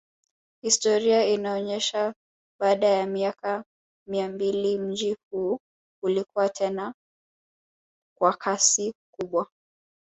Historia inaonesha baada ya miaka mia mbili mji huu ulikuwa tena kwa kasi kubwa